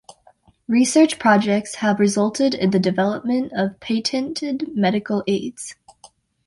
Research projects have resulted in the development of patented medical aids.